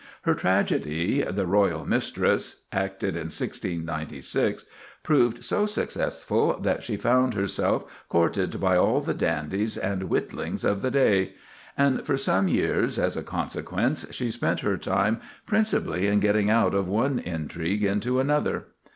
Her tragedy, "The Royal Mistress," acted in 1696, proved so successful that she found herself courted by all the dandies and witlings of the day; and for some years, as a consequence, she spent her time principally in getting out of one intrigue into another.